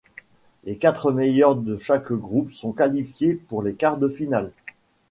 Les quatre meilleures de chaque groupe sont qualifiées pour les quarts de finale.